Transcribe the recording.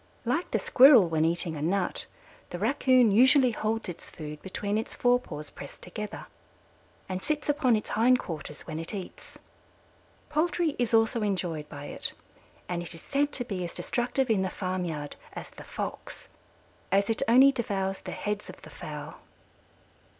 Like the Squirrel when eating a nut, the Raccoon usually holds its food between its fore paws pressed together and sits upon its hind quarters when it eats. Poultry is also enjoyed by it, and it is said to be as destructive in the farm yard as the Fox, as it only devours the heads of the fowl.